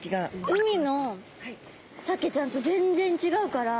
海のサケちゃんと全然ちがうから。